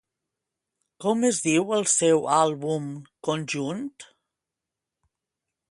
Com es diu el seu àlbum conjunt?